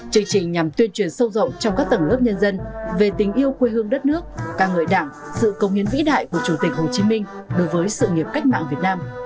chương trình nhằm tuyên truyền sâu rộng trong các tầng lớp nhân dân về tình yêu quê hương đất nước ca ngợi đảng sự công hiến vĩ đại của chủ tịch hồ chí minh đối với sự nghiệp cách mạng việt nam